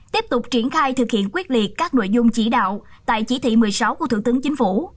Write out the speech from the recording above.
tiếp tục triển khai thực hiện quyết liệt các nội dung chỉ đạo tại chỉ thị một mươi sáu của thủ tướng chính phủ